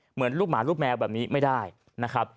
เหมือนลูกหมาลูกแมวแบบนี้ไม่ได้นะครับ